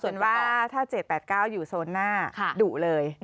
ส่วนว่าถ้า๗๘๙อยู่โซนหน้าดุเลย